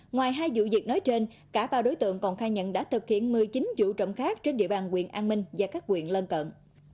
ngoài hai vụ việc nói trên cả ba đối tượng còn khai nhận đã thực hiện một mươi chín vụ trộm khác trên địa bàn quyền an ninh và các quyện lân cận